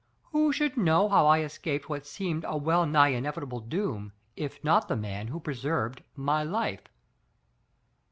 Who should know how I escaped what seemed a well nigh inevitable doom, if not the man who preserved my life?"